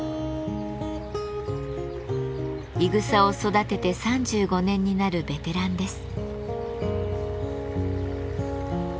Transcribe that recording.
いぐさを育てて３５年になるベテランです。